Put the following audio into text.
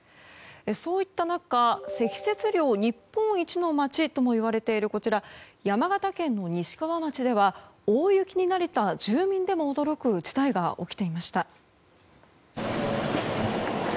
そういった中、積雪量日本一の町ともいわれている山形県の西山町では大雪に慣れた住民でも驚く事態が起きていました。